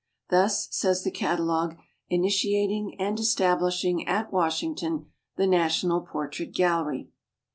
"Thus", says the catalogue, "initiating and establishing at Washington the National Portrait Gallery."